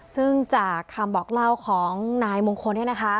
ซึ่งจากคำบอกเล่าของนายมงคลเนี่ยนะคะ